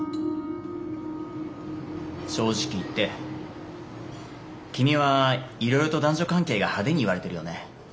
正直言って君はいろいろと男女関係が派手に言われてるよね。